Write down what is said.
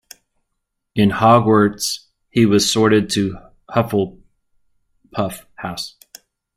In Hogwarts, he was sorted to Hufflepuff house.